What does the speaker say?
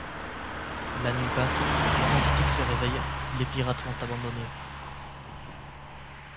La nuit passe et quand Spic se réveille, les pirates l'ont abandonné.